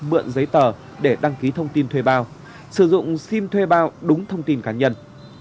mượn giấy tờ để đăng ký thông tin thuê bao sử dụng sim thuê bao đúng thông tin cá nhân